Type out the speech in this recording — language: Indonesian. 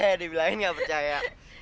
yee dibilangin gak percaya